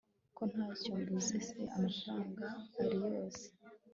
ko ntacyo mbuze se, amafaranga ari yose